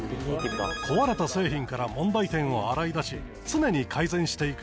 壊れた製品から問題点を洗い出し常に改善していく。